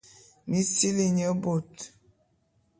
Mi sili nye bôt.